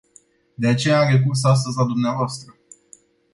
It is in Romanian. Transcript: De aceea am recurs astăzi la dumneavoastră.